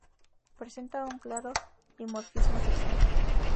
Presenta un claro dimorfismo sexual.